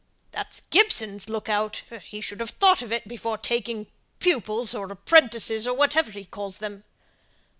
"That's Gibson's look out; he should have thought of it before taking pupils, or apprentices, or whatever he calls them."